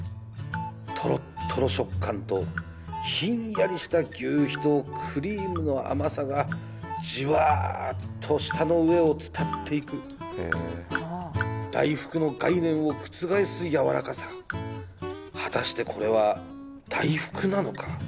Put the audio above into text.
とろっとろ食感とひんやりした求肥とクリームの甘さがじわーっと舌の上を伝っていく大福の概念を覆すやわらかさ果たしてこれは大福なのか？